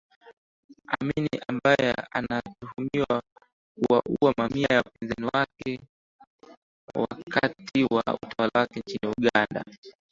Amin ambaye anatuhumiwa kuwaua mamia ya wapinzani wake wakati wa utawala wake nchini Uganda